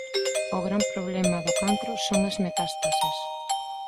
O gran problema do cancro son as metástases.